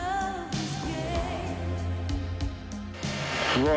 うわ。